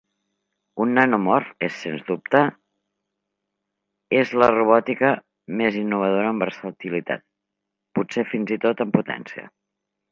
Un nanomorf és, sens dubte, és la robòtica més innovadora en versatilitat, potser fins i tot en potència.